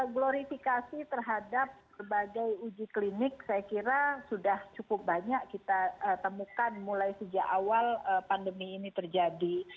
glorifikasi terhadap berbagai uji klinik saya kira sudah cukup banyak kita temukan mulai sejak awal pandemi ini terjadi